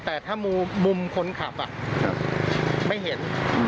แต่ถ้ามุมคนขับไม่เห็น